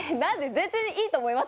別にいいと思いますよ